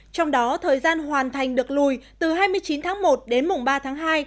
trong đó thời gian hoàn thành được lùi từ hai mươi chín tháng một đến mùng ba tháng hai